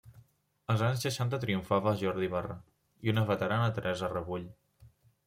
Als anys seixanta triomfava Jordi Barre i una veterana Teresa Rebull.